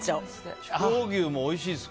筑穂牛もおいしいですか。